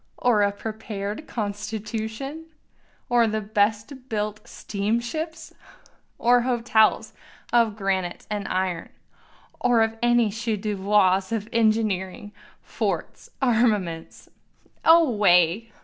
or a prepared constitution? or the best built steamships? Or hotels of granite and iron? or any chef d'oeuvres of engineering, forts, armaments? Away!